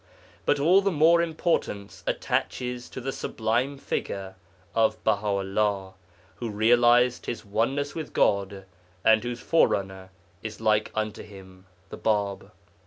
But all the more importance attaches to the sublime figure of Baha 'ullah, who realized his oneness with God, and whose forerunner is like unto him (the Bāb).